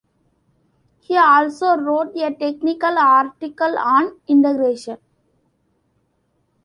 He also wrote a technical article on integration.